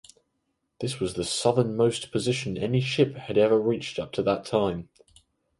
This was the southernmost position any ship had ever reached up to that time.